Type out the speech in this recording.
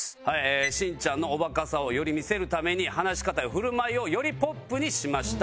しんちゃんのおバカさをより見せるために話し方や振る舞いをよりポップにしました。